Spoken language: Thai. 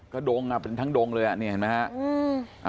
ก็ดงอ่ะเป็นทั้งดงเลยอ่ะนี่เห็นมั้ยฮะ